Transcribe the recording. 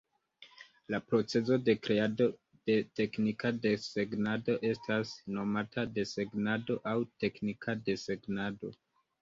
La procezo de kreado de teknika desegnado estas nomata desegnado aŭ teknika desegnado.